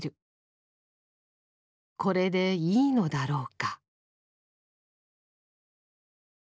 これでいいのだろうか。